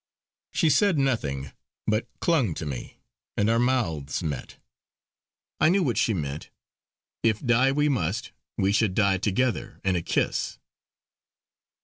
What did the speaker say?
She said nothing but clung to me and our mouths met. I knew what she meant; if die we must, we should die together in a kiss.